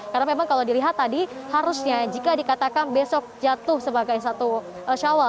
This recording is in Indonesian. karena memang kalau dilihat tadi harusnya jika dikatakan besok jatuh sebagai satu syawal